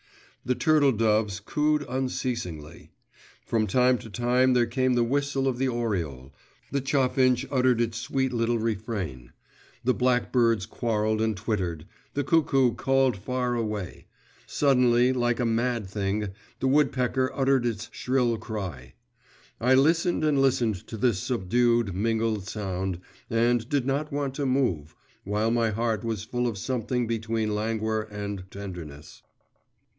The turtle doves cooed unceasingly; from time to time there came the whistle of the oriole; the chaffinch uttered its sweet little refrain; the blackbirds quarrelled and twittered; the cuckoo called far away; suddenly, like a mad thing, the woodpecker uttered its shrill cry. I listened and listened to this subdued, mingled sound, and did not want to move, while my heart was full of something between languor and tenderness.